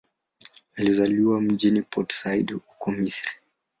Alizaliwa mjini Port Said, huko Misri.